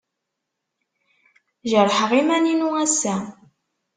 Jerḥeɣ iman-inu ass-a.